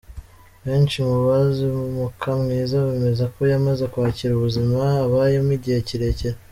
Benshi mu bazi Mukamwiza bemeza ko yamaze kwakira ubuzima abayemo igihe kirekire.